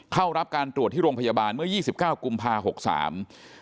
เข้ารับการตรวจที่โรงพยาบาลเมื่อ๒๙กุมภาพันธุ์๖๓